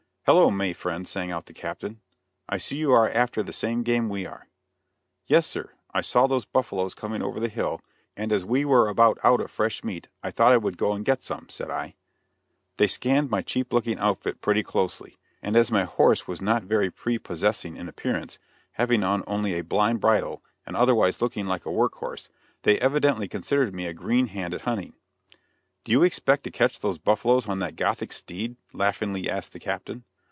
"Hello! may friend," sang out the captain, "I see you are after the same game we are." "Yes, sir; I saw those buffaloes coming over the hill, and as we were about out of fresh meat I thought I would go and get some," said I. They scanned my cheap looking outfit pretty closely, and as my horse was not very prepossessing in appearance, having on only a blind bridle, and otherwise looking like a work horse they evidently considered me a green hand at hunting. "Do you expect to catch those buffaloes on that Gothic steed?" laughingly asked the captain.